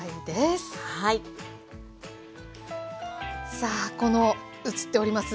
さあこの映っております